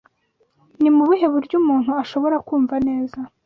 Ni mu buhe buryo umuntu ashobora kumva neza